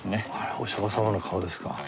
お釈迦様の顔ですか。